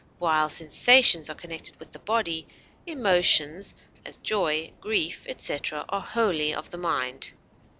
While sensations are connected with the body, emotions, as joy, grief, etc., are wholly of the mind.